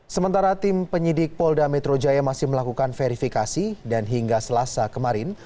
sementara tim penyidik polda metro jaya masih melakukan verifikasi dan hingga selasa kemarin